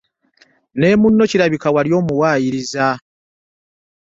Ne munno kirabika wali omuwaayiriza.